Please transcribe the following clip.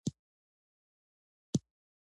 دیني نثر د نثر يو ډول دﺉ.